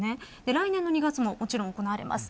来年の２月ももちろん、行われます。